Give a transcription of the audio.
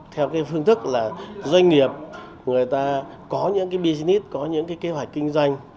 theo phương thức là doanh nghiệp người ta có những business có những kế hoạch kinh doanh